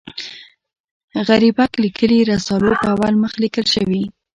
غریبک لیکلي رسالو پر اول مخ لیکل شوي.